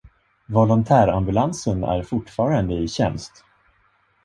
Volontär-ambulansen är fortfarande i tjänst.